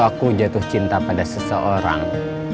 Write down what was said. aku jatuh cinta pada seseorang